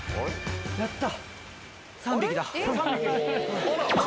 やった。